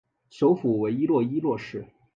首府为伊洛伊洛市。